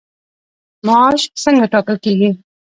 معاش څنګه ټاکل کیږي؟